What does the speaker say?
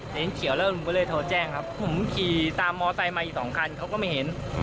เห็นเขียวแล้วผมก็เลยโทรแจ้งครับผมขี่ตามมอไซค์มาอีกสองคันเขาก็ไม่เห็น